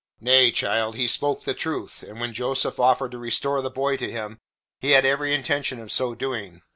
"Nay, child, he spoke the truth, and when Joseph offered to restore the boy to him, he had every intention of so doing.